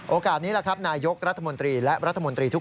โอกาสนี้แหละครับนายกรัฐมนตรีและรัฐมนตรีทุก